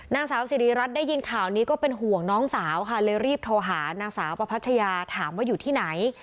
นางสาวสิริรัตนได้ยินข่าวนี้ก็เป็นห่วงน้องสาวค่ะเลยรีบโทรหานางสาวประพัชยาถามว่าอยู่ที่ไหน